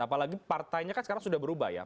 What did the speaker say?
apalagi partainya kan sekarang sudah berubah ya